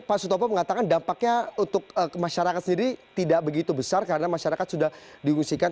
pak sutopo mengatakan dampaknya untuk masyarakat sendiri tidak begitu besar karena masyarakat sudah diungsikan